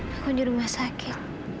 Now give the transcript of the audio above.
aku di rumah sakit